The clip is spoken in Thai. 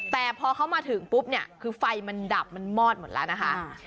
แต่พอเขามาถึงปุ๊บเนี่ยคือไฟมันดับมันมอดหมดแล้วนะคะ